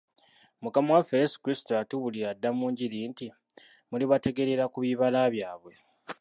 Mukama waffe Yezu Kristu yatubuulira dda mu njiri nti: "Mulibategeerera ku bibala byabwe."